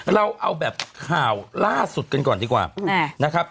เราเอาแบบข่าวล่าสุดกันก่อนดีกว่านะครับ